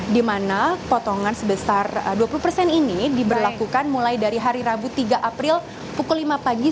di mana potongan sebesar dua puluh persen ini diberlakukan mulai dari hari rabu tiga april pukul lima pagi